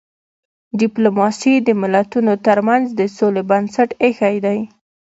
ډيپلوماسي د ملتونو ترمنځ د سولې بنسټ ایښی دی.